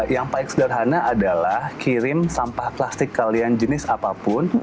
yang paling sederhana adalah kirim sampah plastik kalian jenis apapun